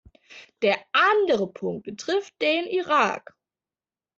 Der andere Punkt betrifft den Irak.